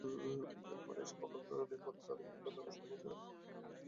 ফলে এসব প্রকল্পে অনিয়ম হলেও তাঁদের ভূমিকা রাখা সম্ভব হচ্ছে না।